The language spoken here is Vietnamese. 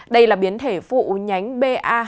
đây là biến thể phụ nhánh b